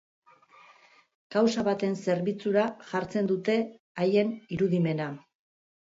Kausa baten zerbitzura jartzen dute haien irudimena.